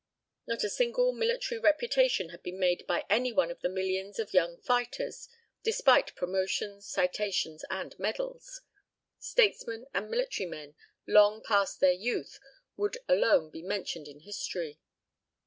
Not a single military reputation had been made by any one of the millions of young fighters, despite promotions, citations, and medals. Statesmen and military men long past their youth would alone be mentioned in history.